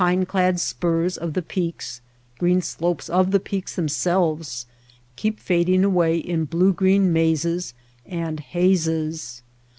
Green pine clad spurs of the peaks, green slopes of the peaks themselves, keep fading away in blue green mazes and hazes.